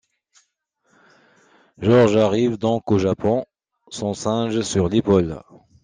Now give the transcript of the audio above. Georges arrive donc au Japon, son singe sur l'épaule.